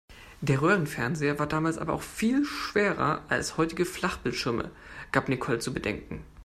Der Röhrenfernseher war damals aber viel schwerer als heutige Flachbildschirme, gab Nicole zu bedenken.